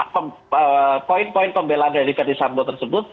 poin poin pembelaan dari fede sambo tersebut